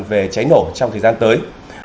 về cháy nổ trong thời gian tới